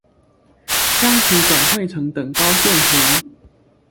將其轉繪成等高線圖